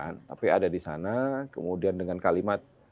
tapi ada di sana kemudian dengan kalimat